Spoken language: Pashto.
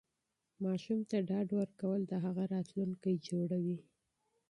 ماشوم ته ډاډ ورکول د هغه راتلونکی جوړوي.